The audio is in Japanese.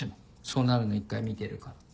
そうなるの一回見てるから。